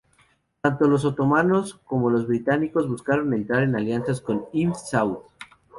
Tanto los otomanos como los británicos buscaron entrar en alianzas con Ibn Saud.